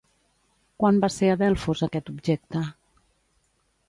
Quan va ser a Delfos aquest objecte?